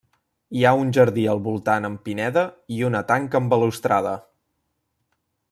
Hi ha un jardí al voltant amb pineda i una tanca amb balustrada.